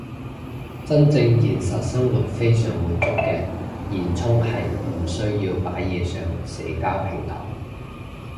真正現實生活非常滿足嘅現充係唔需要擺嘢上社交平台